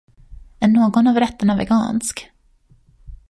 Är någon av rätterna vegansk?